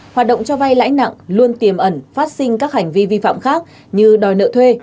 hoạt động cho vay lãi nặng luôn tiềm ẩn phát sinh các hành vi vi phạm khác như đòi nợ thuê